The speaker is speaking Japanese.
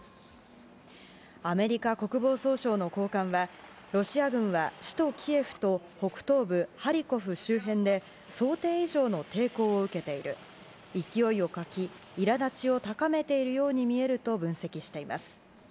アメリカ国防総省の高官はロシア軍は、首都キエフと北東部ハリコフ周辺で想定以上の抵抗を受けている勢いを欠き、苛立ちを高めているように見えると分析しています。